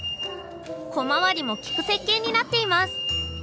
小回りも利く設計になっています。